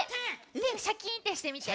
てシャキンってしてみて。